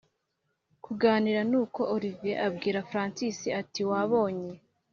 kuganira nuko olivier abwira francis ati”wabonye